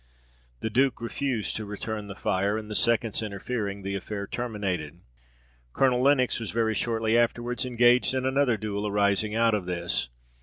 The duke refused to return the fire, and the seconds interfering, the affair terminated. Colonel Lenox was very shortly afterwards engaged in another duel arising out of this.